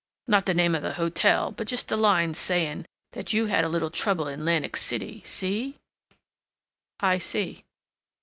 Not the name of the hotel, but just a line sayin' that you had a little trouble in 'lantic City. See?" "I see."